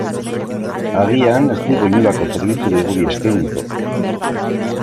Agian, ez digu inolako zerbitzurik guri eskainiko.